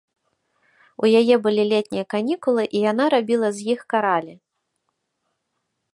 У яе былі летнія канікулы, і яна рабіла з іх каралі.